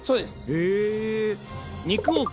へえ。